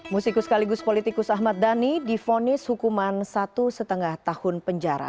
musikus sekaligus politikus ahmad dhani difonis hukuman satu lima tahun penjara